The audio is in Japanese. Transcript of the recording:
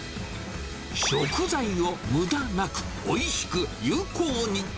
食材を無駄なく、おいしく、有効に。